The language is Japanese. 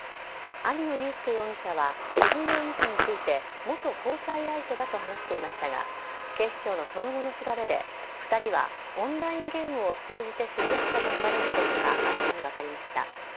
兄の優介容疑者は藤井容疑者について、元交際相手だと話していましたが、警視庁のその後の調べで、２人はオンラインゲームを通じて知り合ったと見られることが、新たに分かりました。